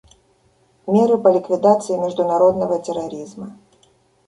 Меры по ликвидации международного терроризма.